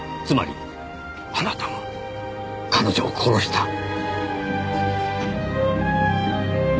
つまりあなたが彼女を殺した。